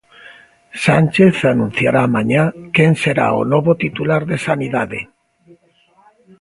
Sánchez anunciará mañá quen será o novo titular de Sanidade.